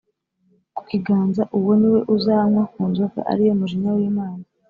ku kiganza, uwo niwe uzanywa ku nzoga ariyo mujinya w‟Imana,